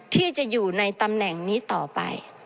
ที่จะอยู่ในตำแหน่งนี้ต่อไป